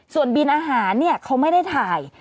ส่วนบินอาหารเขาไม่ได้ถ่าย